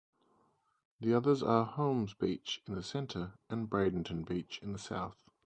The others are Holmes Beach in the center and Bradenton Beach in the south.